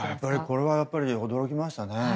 これは驚きましたね。